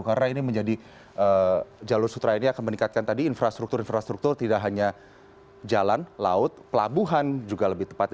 karena ini menjadi jalur sutra ini akan meningkatkan tadi infrastruktur infrastruktur tidak hanya jalan laut pelabuhan juga lebih tepat